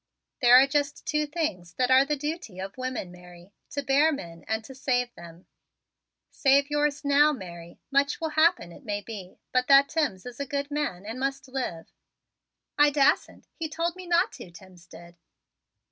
"There are just two things that are the duty of women, Mary: to bear men and to save them. Save yours now, Mary. Much will happen, it may be; but that Timms is a good man and must live." "I dassent. He told me not to, Timms did."